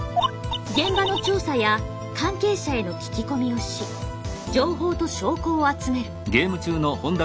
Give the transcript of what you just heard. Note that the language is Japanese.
現場の調査や関係者への聞き込みをし情報と証拠を集める。